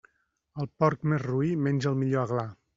El porc més roí menja el millor aglà.